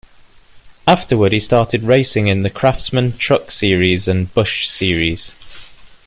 Afterward, he started racing in the Craftsman Truck Series and Busch Series.